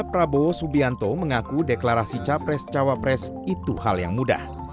prabowo subianto mengaku deklarasi capres cawapres itu hal yang mudah